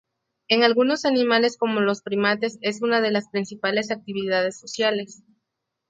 En algunos animales como los primates es una de las principales actividades sociales.